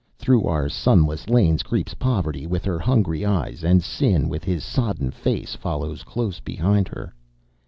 Through our sunless lanes creeps Poverty with her hungry eyes, and Sin with his sodden face follows close behind her.